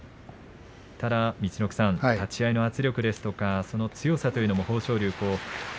ただ立ち合いの圧力ですからその強さというのも豊昇龍は。